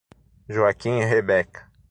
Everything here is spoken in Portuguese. Joaquim e Rebeca